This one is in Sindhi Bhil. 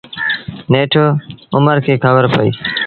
نيٺ اُمر کي کبر پئيٚ۔